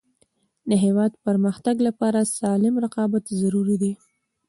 د هیواد د پرمختګ لپاره سالم رقابت ضروري دی.